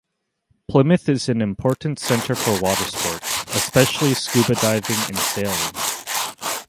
Plymouth is an important centre for watersports, especially scuba diving and sailing.